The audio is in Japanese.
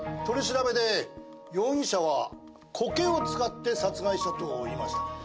取調べで容疑者は「コケを使って殺害した」と言いました。